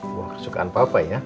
buah kesukaan papa ya